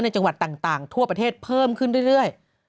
จังหวัดต่างทั่วประเทศเพิ่มขึ้นเรื่อย